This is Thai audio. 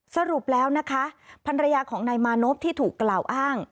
สรุปแล้วนะคะภรรยาของนายมานพที่ถูกกล่าวอ้าง